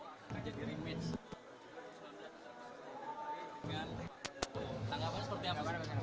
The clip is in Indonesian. ada sejumlah lembaga survei yang terjadi remit